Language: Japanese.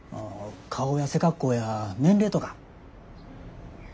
顔や背格好や年齢とか。